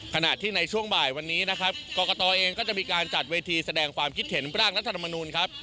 ขณะที่ในช่วงบ่ายวันนี้นะครับกรกตเองก็จะมีการจัดเวทีแสดงความคิดเห็นร่างรัฐธรรมนูลครับ